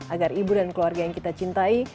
agar ibu dan keluarga yang kita cintai